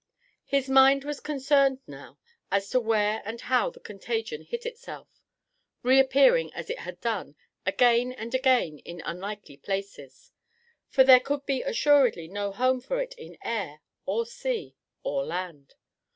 His mind was concerned now as to where and how the contagion hid itself, reappearing as it had done, again and again in unlikely places; for there could be assuredly no home for it in air, or sea, or land.